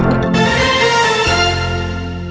โปรดติดตามตอนต่อไป